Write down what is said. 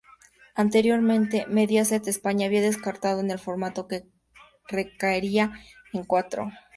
Anteriormente, Mediaset España había descartado el formato, que recaería en Cuatro.